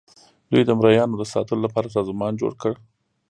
دوی د مرئیانو د ساتلو لپاره سازمان جوړ کړ.